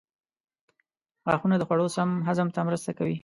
غاښونه د خوړو سم هضم ته مرسته کوي.